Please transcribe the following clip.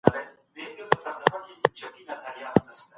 څېړونکي باید داستاني اثر وڅېړي.